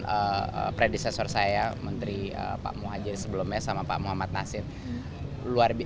dan predisensor saya menteri pak muhajir sebelumnya sama pak muhammad nasir